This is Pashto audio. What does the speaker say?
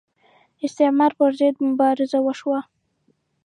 استعمار پر ضد مبارزه وشوه